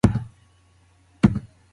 پلار یې د ماشوم خبرو ته غوږ نه نیسي.